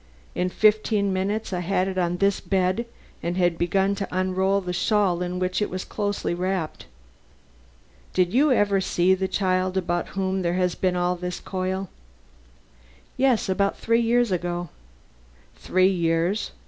In fifteen minutes I had it on this bed, and had begun to unroll the shawl in which it was closely wrapped. Did you ever see the child about whom there has been all this coil?" "Yes, about three years ago." "Three years!